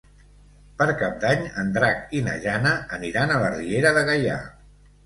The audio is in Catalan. Per Cap d'Any en Drac i na Jana aniran a la Riera de Gaià.